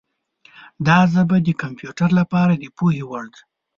دا ژبه د کمپیوټر لپاره د پوهې وړ ده.